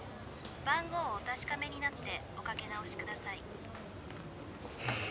「番号をお確かめになっておかけ直しください」